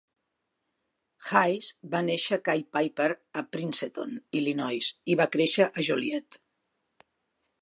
Hays va néixer Kay Piper a Princeton, Illinois i va créixer a Joliet.